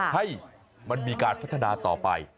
ให้มันมีการพัฒนาต่อไป